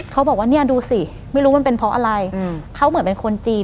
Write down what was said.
เขาบอกว่าเนี่ยดูสิไม่รู้มันเป็นเพราะอะไรเขาเหมือนเป็นคนจีน